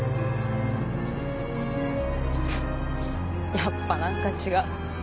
やっぱ何か違う